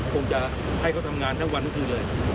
คงจะให้เขาทำงานทั้งวันทั้งคืนเลย